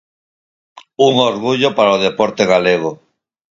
Un orgullo para o deporte galego.